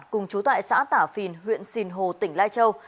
cùng chú tại xã tả phìn huyện sìn hồ tỉnh lai châu